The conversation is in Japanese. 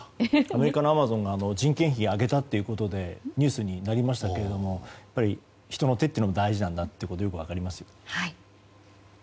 アメリカのアマゾンが人件費を上げたということでニュースになりましたが人の手というのも大事なんだというのがよく分かりますね。